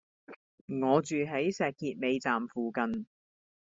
我住喺石硤尾站附近